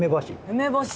梅干し。